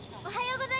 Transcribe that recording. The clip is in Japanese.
おはよう。